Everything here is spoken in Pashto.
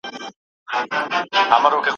زه دي تږې یم د میني زما دي علم په کار نه دی